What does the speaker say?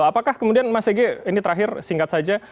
apakah kemudian mas ege ini terakhir singkat saja